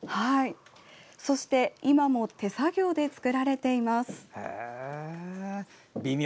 そして、今も手作業で造られています。